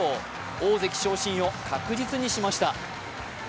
大関昇進を確実にしました。